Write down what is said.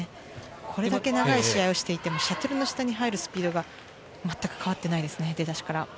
これだけ長い試合をしていても、シャトルの下に入るスピードが全く変わっていないですね、出だしから。